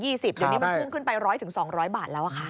เดี๋ยวนี้มันพุ่งขึ้นไป๑๐๐๒๐๐บาทแล้วค่ะ